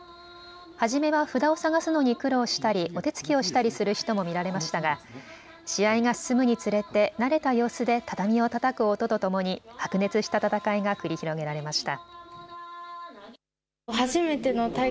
初めは札を探すのに苦労したりお手つきをしたりする人も見られましたが試合が進むにつれて慣れた様子で畳をたたく音とともに白熱した戦いが繰り広げられました。